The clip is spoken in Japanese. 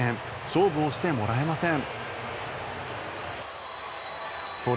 勝負をしてもらえません。